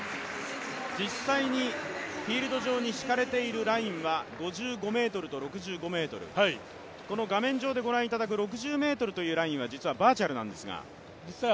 実際にフィールド上に引かれているラインは５５ｍと６５ｍ、この画面上で御覧いただく６０ｍというラインは実はバーチャルなんですが。